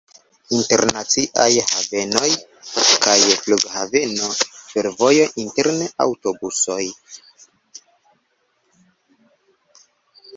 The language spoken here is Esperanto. Internaciaj haveno kaj flughaveno, fervojo, interne aŭtobusoj.